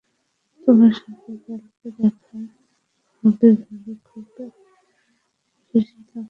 তোমার সাথে কালকে দেখা হবে ভেবে খুবই খুশি লাগছে।